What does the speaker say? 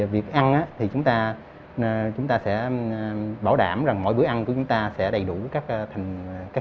việc ăn thì chúng ta sẽ bảo đảm rằng mỗi bữa ăn của chúng ta sẽ đầy đủ các thành phần dinh dưỡng như bên trên chúng ta đã thảo luận